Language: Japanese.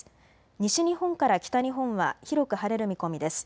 西日本から北日本は広く晴れる見込みです。